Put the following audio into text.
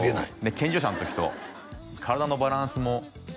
健常者の時と体のバランスもね